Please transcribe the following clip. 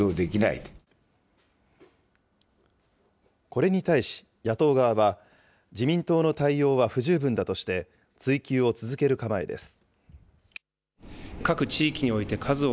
これに対し、野党側は、自民党の対応は不十分だとして、追及を続ける構えです。